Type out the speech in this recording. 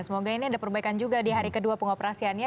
semoga ini ada perbaikan juga di hari kedua pengoperasiannya